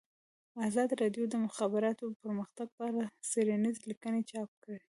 ازادي راډیو د د مخابراتو پرمختګ په اړه څېړنیزې لیکنې چاپ کړي.